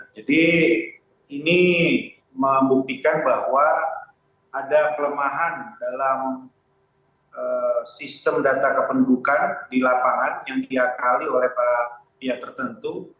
jadi ini membuktikan bahwa ada kelemahan dalam sistem data kependudukan di lapangan yang diakali oleh pihak tertentu